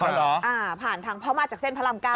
ใช่หรออ่าผ่านทางเพราะมาจากเส้นพระรำก้าว